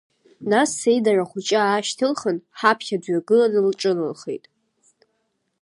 Нас сеидара хәыҷы аашьҭылхын, ҳаԥхьа дҩагылан лҿыналхеит…